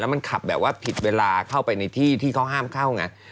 มันขับแบบว่าผิดเวลาเข้าไปในที่ที่เขาห้ามเข้าไง